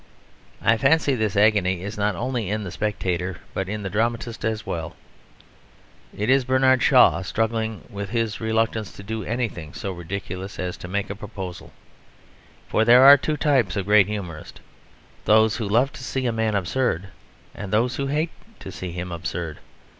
I fancy this agony is not only in the spectator, but in the dramatist as well. It is Bernard Shaw struggling with his reluctance to do anything so ridiculous as make a proposal. For there are two types of great humorist: those who love to see a man absurd and those who hate to see him absurd.